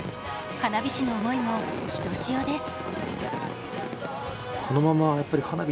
花火師の思いもひとしおです。